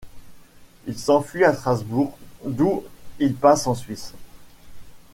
Il s'enfuit à Strasbourg, d'où il passe en Suisse.